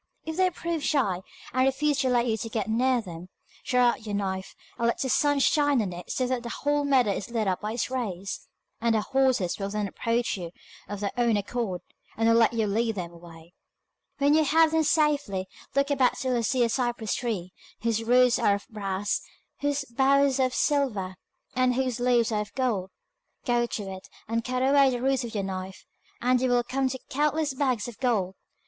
If they prove shy, and refuse to let you get near them, draw out your knife, and let the sun shine on it so that the whole meadow is lit up by its rays, and the horses will then approach you of their own accord, and will let you lead them away. When you have them safely, look about till you see a cypress tree, whose roots are of brass, whose boughs are of silver, and whose leaves are of gold. Go to it, and cut away the roots with your knife, and you will come to countless bags of gold.